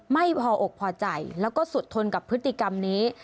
พออกพอใจแล้วก็สุดทนกับพฤติกรรมนี้